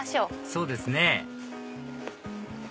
そうですね